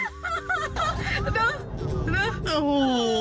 โอ้โห